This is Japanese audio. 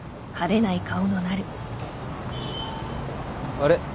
あれ？